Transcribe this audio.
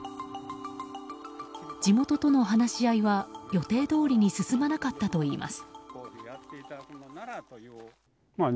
地元との話し合いは予定どおりに進まなかったといいます。